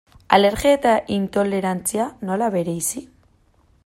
Alergia eta intolerantzia, nola bereizi?